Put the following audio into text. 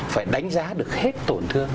phải đánh giá được hết tổn thương